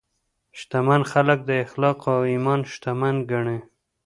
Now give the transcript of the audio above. شتمن خلک د اخلاقو او ایمان شتمن ګڼي.